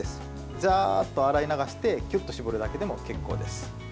ざーっと洗い流してきゅっと絞るだけでも結構です。